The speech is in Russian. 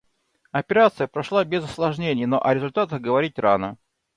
Операция прошла без осложнений, но о результатах говорить рано.